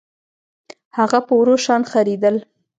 هغه په ورو شان خرېدل